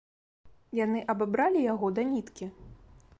Яны абабралі яго да ніткі.